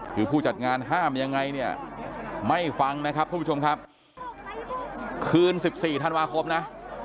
คือผู้จัดงานห้ามยังไงเนี่ยไม่ฟังนะครับทุกผู้ชมครับคืน๑๔ธันวาคมนะ